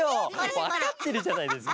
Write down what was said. わかってるじゃないですか！